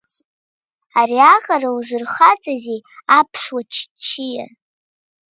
Ари аҟара узырхаҵазеи, аԥсуа ччиа?